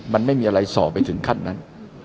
มันไม่มีอะไรส่อไปถึงขั้นนั้น